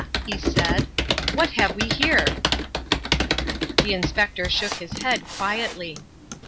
he said, "what have we here?" The Inspector shook his head quietly.